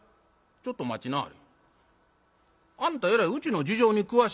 ちょっと待ちなはれ。